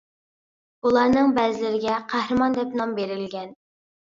بۇلارنىڭ بەزىلىرىگە «قەھرىمان» دەپ نام بېرىلگەن.